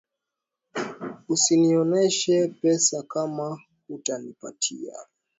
Usinioneshe pesa kama hutanipatia